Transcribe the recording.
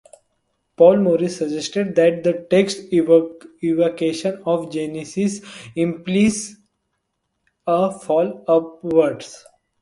Paul Morris suggests that the text's evocation of Genesis implies a fall upwards.